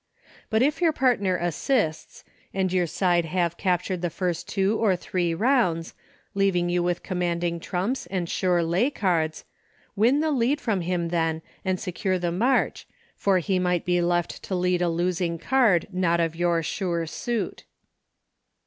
But if your partner assists, and your side have captured the first two or three rounds, leav ing you with commanding trumps and sure lay cards, win the lead from him then and secure the march, for he might be left to lead a losing card not of your sure suit